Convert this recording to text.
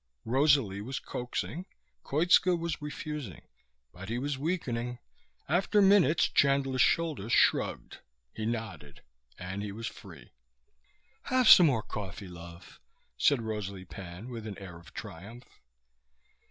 Rosalie was coaxing; Koitska was refusing. But he was weakening. After minutes Chandler's shoulders shrugged; he nodded; and he was free. "Have some more coffee, love," said Rosalie Pan with an air of triumph.